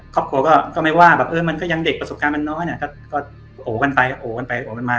ครอบครัวก็ไม่ว่าแบบเออมันก็ยังเด็กประสบการณ์มันน้อยก็โอกันไปโอกันไปโอกันมา